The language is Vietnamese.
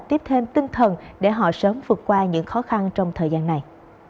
tiếp thêm tinh thần để họ sớm vượt qua những khó khăn trong thời gian này